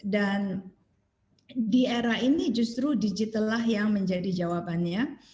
dan di era ini justru digital lah yang menjadi jawabannya